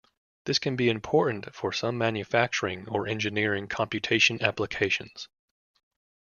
This can be important for some manufacturing or engineering computation applications.